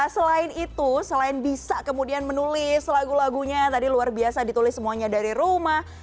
selain itu selain bisa kemudian menulis lagu lagunya tadi luar biasa ditulis semuanya dari rumah